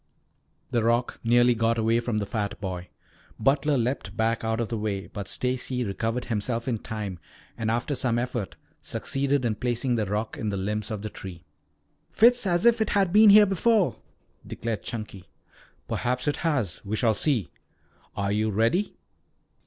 The rock nearly got away from the fat boy. Butler leaped back out of the way, but Stacy recovered himself in time and after some effort succeeded in placing the rock in the limbs of the tree. "Fits as if it had been here before," declared Chunky. "Perhaps it has. We shall see. Are you ready?"